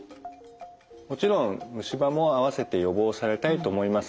もちろん虫歯も併せて予防されたいと思います。